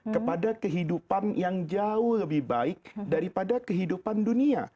kepada kehidupan yang jauh lebih baik daripada kehidupan dunia